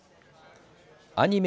アニメ